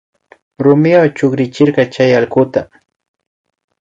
Rumiwa chukrichirka chay allkuta